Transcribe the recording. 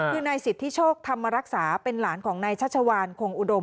คือนายสิทธิโชคธรรมรักษาเป็นหลานของนายชัชวานคงอุดม